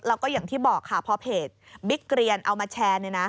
แล้วก็อย่างที่บอกค่ะพอเพจบิ๊กเกรียนเอามาแชร์